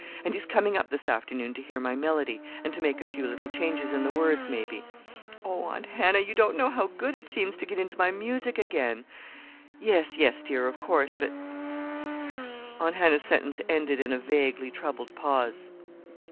And he's coming up this afternoon to hear my melody, and to make a few little changes in the words, maybe. Oh, Aunt Hannah, you don't know how good it seems to get into my music again!" "Yes, yes, dear, of course; but " Aunt Hannah's sentence ended in a vaguely troubled pause.